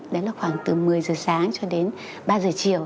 đấy là khoảng từ một mươi h sáng cho đến ba h chiều